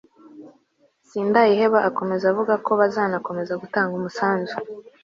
sindayiheba akomeza avuga ko bazanakomeza gutanga umusanzu